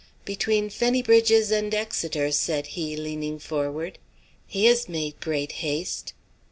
"Between Fenny Bridges and Exeter," said he, leaning forward. "He has made great haste."